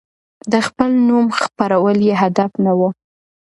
د خپل نوم خپرول يې هدف نه و.